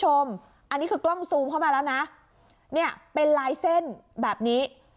อันนี้คือกล้องซูมเข้ามาแล้วนะเนี่ยเป็นลายเส้นแบบนี้